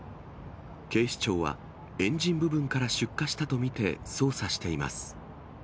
警視庁はエンジン部分から出火したと見て、捜査しています。